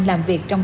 làm việc trong